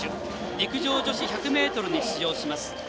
陸上女子１００ｍに出場します。